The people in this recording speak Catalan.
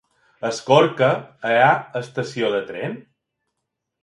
A Escorca hi ha estació de tren?